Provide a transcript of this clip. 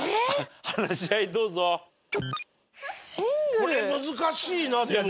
これ難しいなでも。